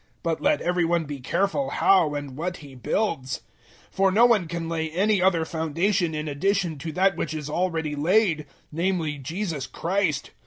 But let every one be careful how and what he builds. 003:011 For no one can lay any other foundation in addition to that which is already laid, namely Jesus Christ.